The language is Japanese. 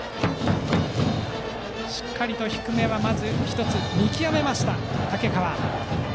しっかりと低めは１つ見極めた竹川。